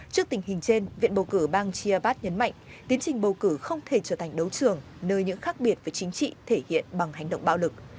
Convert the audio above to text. trước tình hình trên viện bầu cử bang chia avat nhấn mạnh tiến trình bầu cử không thể trở thành đấu trường nơi những khác biệt về chính trị thể hiện bằng hành động bạo lực